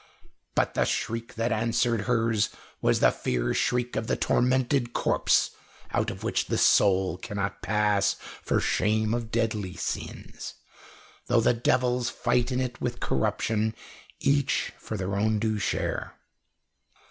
But the shriek that answered hers was the fear shriek of the tormented corpse, out of which the soul cannot pass for shame of deadly sins, though the devils fight in it with corruption, each for their due share.